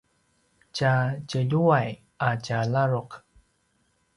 tja djeljuway a tja ladruq